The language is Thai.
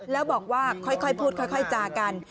แล้วบอกว่าค่อยพูดค่อยจากัน